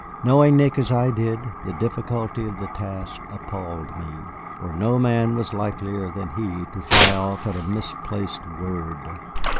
Knowing Nick as I did, the difficulty of the task appalled me, for no man was likelier than he to fly off at a misplaced word.